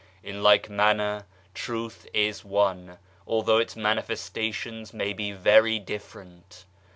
In like manner Truth is one, although its manifesta tions may be very different.